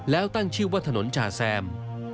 แล้วตั้งชื่อว่าถนนจาแซม